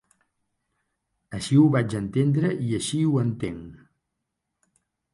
Així ho vaig entendre i així ho entenc.